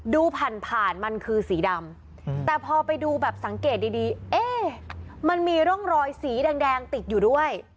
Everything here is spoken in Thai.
ดูผ่านผ่านมันคือสีดำแต่พอไปดูแบบสังเกตดีเอ๊ะมันมีร่องรอยสีแดงติดอยู่ด้วย